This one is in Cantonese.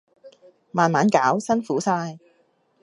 慢慢搞，辛苦晒